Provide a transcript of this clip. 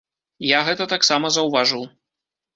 Я гэта таксама заўважыў.